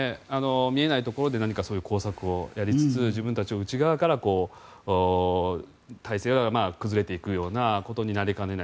見えないところで何かそういう工作をやりつつ自分たちを内側から体制が崩れていくようなことになりかねない。